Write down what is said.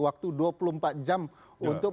waktu dua puluh empat jam untuk